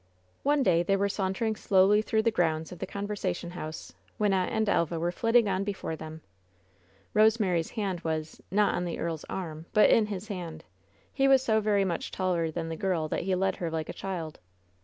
One day they were sauntering slowly through the pounds of the Conversation Haus. Wynnette and Elva were flitting on before them. Kosemary's hand was — not on the earl's arm — but in his hand. He was so very much taller than the girl that he led her like a child.